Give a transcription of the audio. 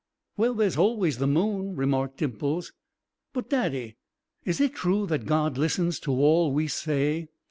"Well, there's always the moon," remarked Dimples. "But, Daddy, is it true that God listens to all we say?"